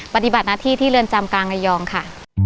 ปฏิบัติหน้าที่ที่เรือนจำกลางระยองค่ะ